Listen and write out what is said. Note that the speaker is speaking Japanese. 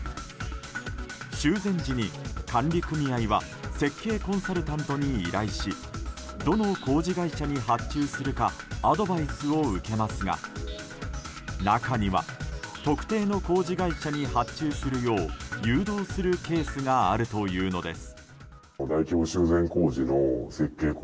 修繕時に管理組合は設計コンサルタントに依頼しどの工事会社に発注するかアドバイスを受けますが中には特定の工事会社に発注するよう誘導するケースがあるというのです。